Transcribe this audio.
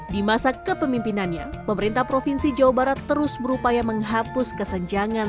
di masa kepemimpinannya pemerintah provinsi jawa barat terus berupaya menghapus kesenjangan